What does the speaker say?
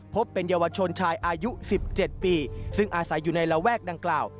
เป็นเยาวชนชายอายุ๑๗ปีซึ่งอาศัยอยู่ในระแวกดังกล่าว